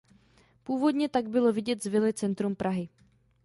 Původně tak bylo vidět z vily centrum Prahy.